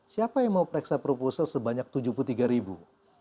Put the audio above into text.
siapa yang mau periksa proposal sebanyak tujuh puluh tiga ribu